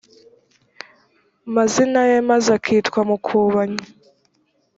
mazina ye maze akitwa mukubanya